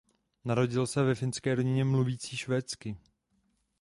Narodil se ve finské rodině mluvící švédsky.